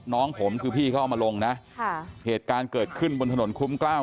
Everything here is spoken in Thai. น้องผมคือพี่เขาเอามาลงนะค่ะเหตุการณ์เกิดขึ้นบนถนนคุ้มกล้าว